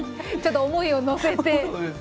ちょっと思いを乗せて。